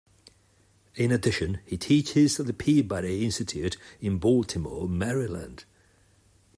In addition, he teaches at the Peabody Institute in Baltimore, Maryland.